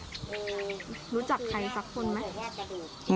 รู้จักใครสักคนไหม